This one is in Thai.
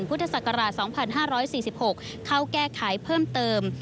พศ๒๕๔๖เข้าแก้ไขเพิ่มเติม